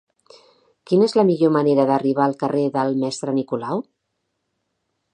Quina és la millor manera d'arribar al carrer del Mestre Nicolau?